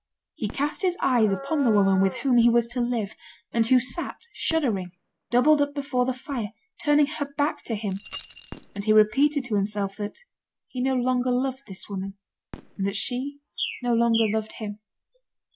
He cast his eyes upon the woman with whom he was to live, and who sat shuddering, doubled up before the fire, turning her back to him; and he repeated to himself that he no longer loved this woman, and that she no longer loved him.